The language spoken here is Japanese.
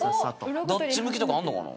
どっち向きとかあるのかな？